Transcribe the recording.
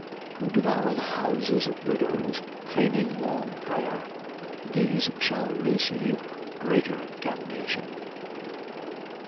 Who devour the houses of widows, feigning long prayer. These shall receive greater damnation.